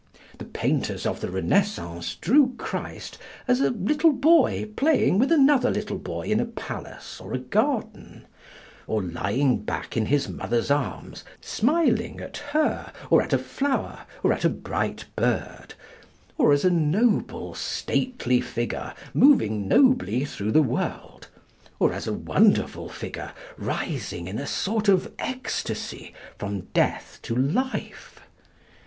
The painters of the Renaissance drew Christ as a little boy playing with another boy in a palace or a garden, or lying back in his mother's arms, smiling at her, or at a flower, or at a bright bird; or as a noble, stately figure moving nobly through the world; or as a wonderful figure rising in a sort of ecstasy from death to life.